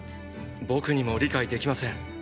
僕にも理解できません。